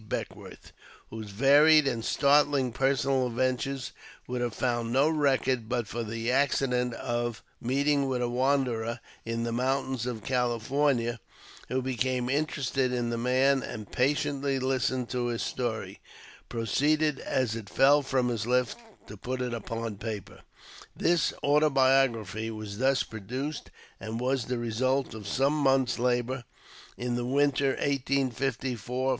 Beckwourth, whose varied and startling personal adventures would have found no record but for the accident of meeting with a w^anderer in the mountains of Cahfornia, who became interested in the man, and, patiently listening to his story, proceeded, as it fell from his hps, to put it upon paper. This autobiography was thus produced, and was the result 2 18 PBEFACE TO THE of some months' labour in the winter of 1854 55.